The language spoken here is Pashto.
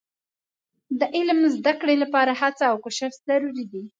د علم د زده کړې لپاره هڅه او کوښښ ضروري دي.